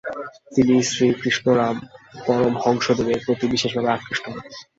তিনি শ্রীরামকৃষ্ণ পরমহংসদেবের প্রতি বিশেষভাবে আকৃষ্ট হন।